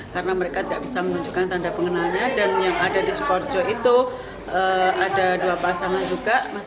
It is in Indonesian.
karena mereka tidak bisa menunjukkan tanda pengenalnya dan yang ada di sukorojo itu ada dua pasangan juga